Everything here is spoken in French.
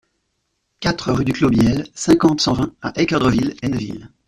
quatre rue du Clos Bihel, cinquante, cent vingt à Équeurdreville-Hainneville